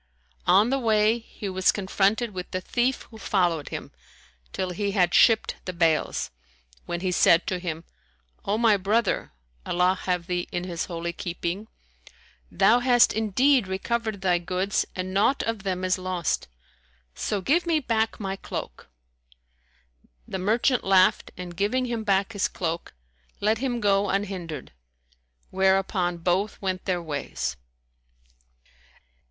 On the way, he was confronted with the thief who followed him, till he had shipped the bales, when he said to him, "O my brother (Allah have thee in His holy keeping!), thou hast indeed recovered thy goods and naught of them is lost; so give me back my cloak." The merchant laughed and, giving him back his cloak, let him go unhindered; whereupon both went their ways.